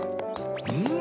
うん！